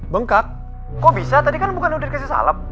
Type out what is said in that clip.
bengkak kok bisa tadi kan udah dikasih salep